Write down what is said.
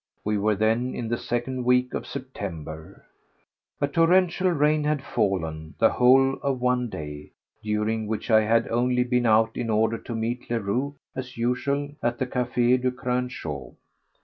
We were then in the second week of September. A torrential rain had fallen the whole of one day, during which I had only been out in order to meet Leroux, as usual, at the Café du Crâne Chauve.